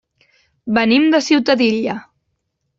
Venim de Ciutadilla.